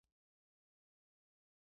ایا بل ډاکټر ستاسو پر ځای شته؟